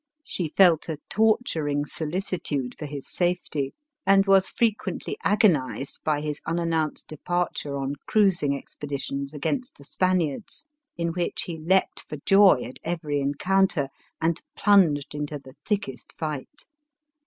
She felt a torturing solicitude for his safety, and was frequently agonized by his unannounced departure on cruising ex peditions against the Spaniards, in which he leapt for joy at every encounter, and plunged into the thickest fight.